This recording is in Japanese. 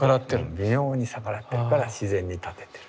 微妙に逆らってるから自然に立ててる。